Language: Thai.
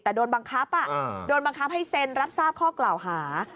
แต่โดนบังคับโดนบังคับให้เซ็นรับทราบข้อกล่าวหา